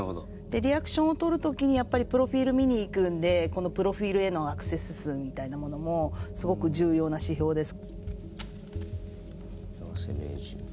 でリアクションをとる時にやっぱりプロフィール見に行くんでこのプロフィールへのアクセス数みたいなものもすごく重要な指標です。